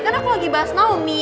karena aku lagi bahas naomi